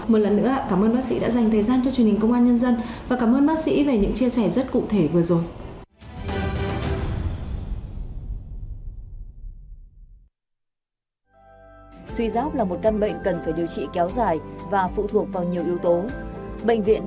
một lần nữa cảm ơn bác sĩ đã dành thời gian cho truyền hình công an nhân dân và cảm ơn bác sĩ về những chia sẻ rất cụ thể vừa rồi